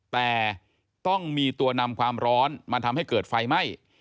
แต่ต้องมีตัวนำความร้อนมาทำให้เกิดไฟไหม้